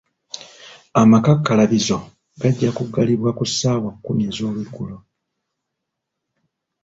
Amakakkalabizo gajja kugalibwa ku ssaawa kumi ez'olweggulo.